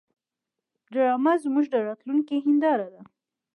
ډرامه زموږ د راتلونکي هنداره ده